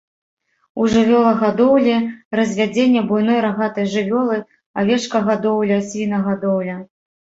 У жывёлагадоўлі развядзенне буйной рагатай жывёлы, авечкагадоўля, свінагадоўля.